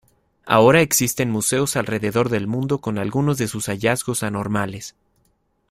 Ahora existen museos alrededor del mundo con algunos de sus hallazgos anormales.